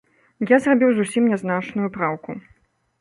Я зрабіў зусім нязначную праўку.